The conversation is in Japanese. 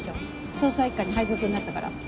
捜査一課に配属になったから。